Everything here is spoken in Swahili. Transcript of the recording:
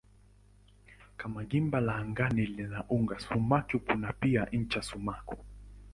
Kama gimba la angani lina uga sumaku kuna pia ncha sumaku.